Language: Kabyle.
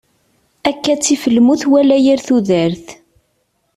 Akka ttif lmut wala yir tudert.